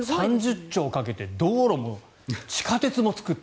３０兆かけて道路も地下鉄も作る。